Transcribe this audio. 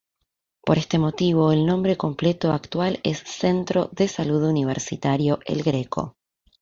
Por este motivo, el nombre completo actual es Centro de Salud Universitario El Greco.